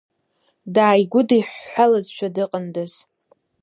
Дааигәыдиҳәҳәалазшәа дыҟандаз!